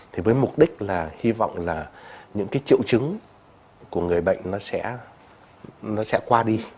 thì với mục đích là hy vọng là những cái triệu chứng của người bệnh nó sẽ qua đi